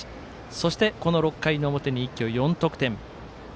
そして、この６回の表に一挙４得点。